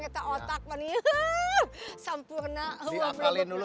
sampai otak manis hampir nafas diakalin dulu